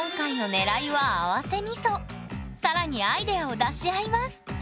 今回の更にアイデアを出し合います